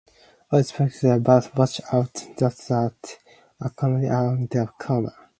All is peaceful, but watch out, what's that coming around the corner?